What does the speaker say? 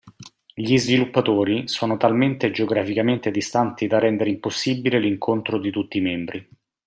Gli sviluppatori sono talmente geograficamente distanti da rendere impossibile l'incontro di tutti i membri.